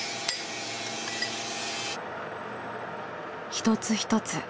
一つ一つ